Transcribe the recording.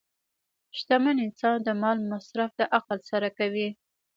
شتمن انسان د مال مصرف د عقل سره کوي.